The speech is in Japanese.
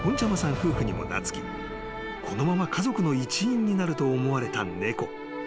夫婦にも懐きこのまま家族の一員になると思われた猫］